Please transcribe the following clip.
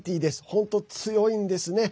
本当強いんですね。